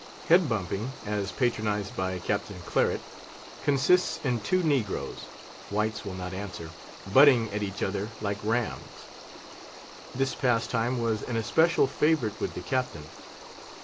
Head bumping, as patronised by Captain Claret, consists in two negroes (whites will not answer) butting at each other like rams. This pastime was an especial favourite with the Captain.